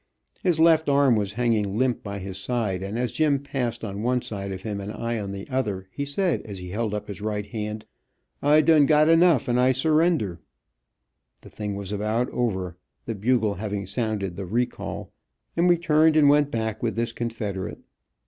His left arm was hanging limp by his side, and as Jim passed on one side of him and I on the other, he said, as he held up his right hand, "I dun got enough, and I surrender." The thing was about over, the bugle having sounded the "recall," and we turned and went back with this Confederate.